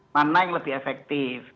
mana yang lebih efektif